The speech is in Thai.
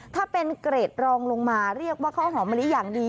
ถ้าเป็นเกรดรองลงมาเรียกว่าข้าวหอมมะลิอย่างดี